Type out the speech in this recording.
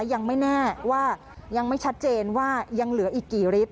ยังไม่แน่ว่ายังไม่ชัดเจนว่ายังเหลืออีกกี่ฤทธ